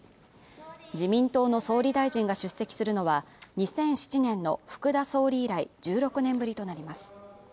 自民党の総理大臣が出席するのは２００７年の福田総理以来１６年ぶりとなります